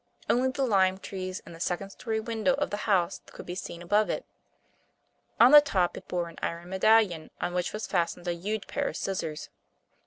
Only the lime trees and the second story windows of the house could be seen above it. On the top it bore an iron medallion, on which was fastened a huge pair of scissors.